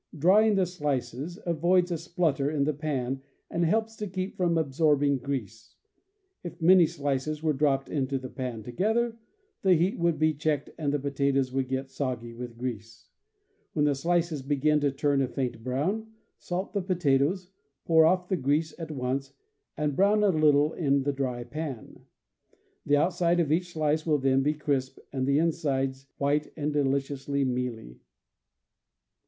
Drying the slices avoids a splutter in the pan and helps to keep from absorbing grease. If many slices were dropped into the pan together, the heat would be checked and the potatoes would get soggy with grease. When the slices begin to turn a faint brown, salt the potatoes, pour off the grease at CAMP COOKERY 155 once, and brown a little in the dry pan. The outside of each slice will then be crisp and the insides white and deliciously mealy.